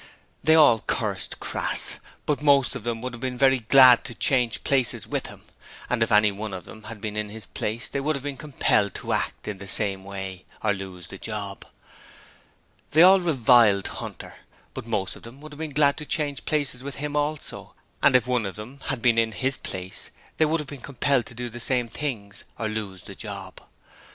They all cursed Crass, but most of them would have been very glad to change places with him: and if any one of them had been in his place they would have been compelled to act in the same way or lose the job. They all reviled Hunter, but most of them would have been glad to change places with him also: and if any one of them had been in his place they would have been compelled to do the same things, or lose the job.